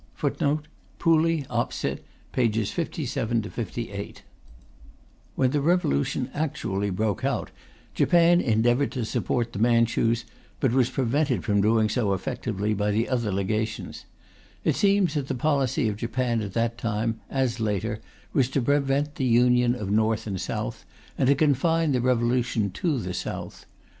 When the revolution actually broke out, Japan endeavoured to support the Manchus, but was prevented from doing so effectively by the other Legations. It seems that the policy of Japan at that time, as later, was to prevent the union of North and South, and to confine the revolution to the South.